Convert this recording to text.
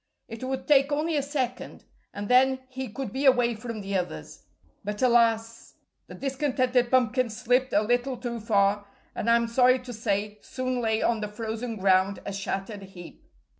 It would take only a second, and then he could be away from the others. But alas! the discontented pumpkin slipped a little too far, and I'm sorry to say, soon lay on the frozen ground, a shattered heap.